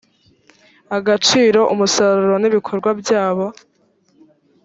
agaciro umusaruro n ibikorwa byabo